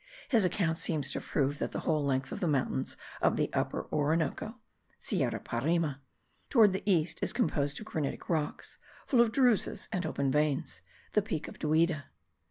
His account seems to prove that the whole length of the mountains of the Upper Orinoco (Sierra Parima) toward the east, is composed of granitic rocks, full of druses and open veins, the Peak of Duida.